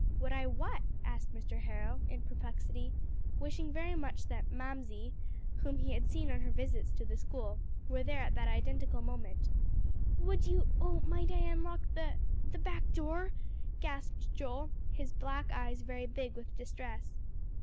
"Would I what?" asked Mr. Harrow in perplexity, wishing very much that "Mamsie," whom he had seen on her visits to the school, were there at that identical moment. "Would you oh, might I unlock the the back door?" gasped Joel, his black eyes very big with distress.